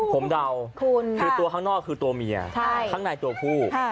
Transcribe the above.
ผมเดาคือตัวข้างนอกคือตัวเมียข้างในตัวผู้